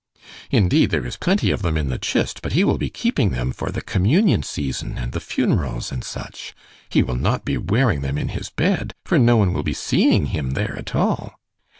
"Indeed, there is plenty of them in the chist, but he will be keeping them for the communion season, and the funerals, and such. He will not be wearing them in his bed, for no one will be seeing him there at all."